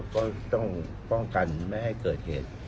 ก็ต้องป้องกันไม่ให้เกิดเหตุ